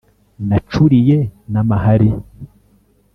nacuriye n’amahari